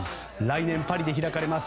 来年パリで開かれます